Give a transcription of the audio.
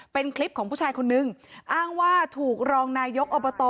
เป็นคลิปของผู้ชายคนนึงอ้างว่าถูกรองนายกอบต